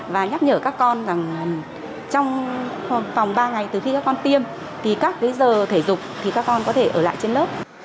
và nhắc nhở các con rằng trong vòng ba ngày từ khi các con tiêm thì các cái giờ thể dục thì các con có thể ở lại trên lớp